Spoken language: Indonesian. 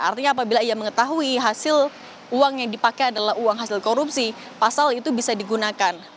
artinya apabila ia mengetahui hasil uang yang dipakai adalah uang hasil korupsi pasal itu bisa digunakan